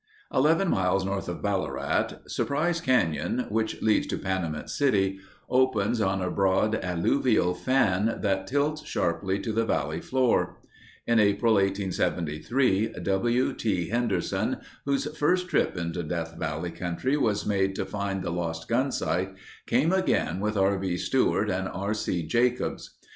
Eleven miles north of Ballarat, Surprise Canyon, which leads to Panamint City, opens on a broad, alluvial fan that tilts sharply to the valley floor. In April, 1873, W. T. Henderson, whose first trip into Death Valley country was made to find the Lost Gunsight, came again with R. B. Stewart and R. C. Jacobs.